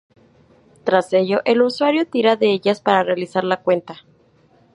Tras ello, el usuario tira de ellas para realizar la cuenta.